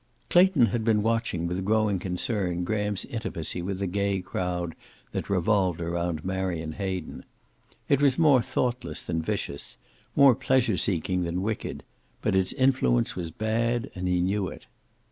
Clayton had been watching with growing concern Graham's intimacy with the gay crowd that revolved around Marion Hayden. It was more thoughtless than vicious; more pleasure seeking than wicked; but its influence was bad, and he knew it.